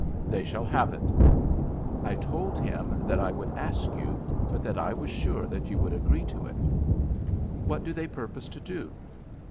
"They shall have it." "I told him that I would ask you, but that I was sure that you would agree to it." "What do they purpose to do?"